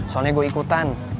soalnya gue ikutan